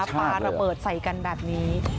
ปลาระเบิดใส่กันแบบนี้